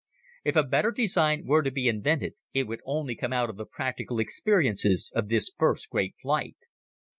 If a better design were to be invented, it would only come out of the practical experiences of this first great flight.